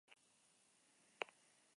Alderdi bakoitzaren boto-paper bana.